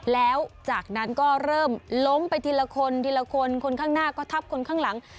แล้วจากนั้นก็เริ่มล้มไปทีละคนทีละคนคนข้างหน้าก็ทับคนข้างหลัง